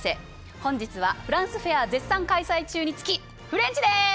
本日はフランスフェア絶賛開催中につきフレンチです！